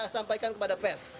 sampaikan kepada pers